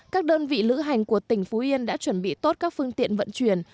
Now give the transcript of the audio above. các đơn vị lữ hành của tỉnh phú yên đã chuẩn bị tốt các phương tiện vận chuyển